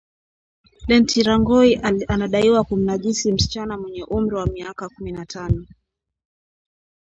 Lentirangoi anadaiwa kumnajisi msichana mwenye umri wa miaka kumi na tano